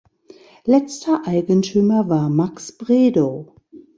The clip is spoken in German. Letzter Eigentümer war "Max Bredow".